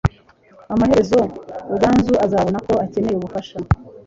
Amaherezo, Ruganzu azabona ko akeneye ubufasha.